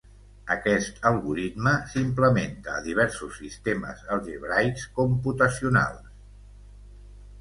Aquest algoritme s'implementa a diversos sistemes algebraics computacionals.